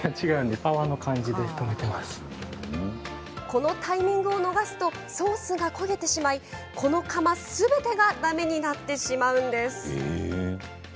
このタイミングを逃すとソースが焦げてしまいこの釜すべてがだめになってしまうんです。